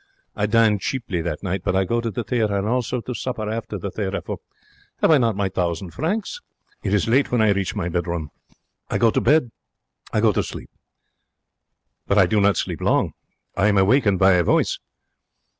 I dine cheaply that night, but I go to theatre and also to supper after the theatre, for have I not my thousand francs? It is late when I reach my bedroom. I go to bed. I go to sleep. But I do not sleep long. I am awakened by a voice.